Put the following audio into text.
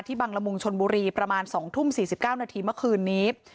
ที่บังละมุงชนบุรีประมาณสองทุ่มสี่สิบเก้านาทีเมื่อคืนนี้